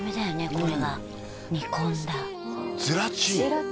これは煮込んだゼラチン？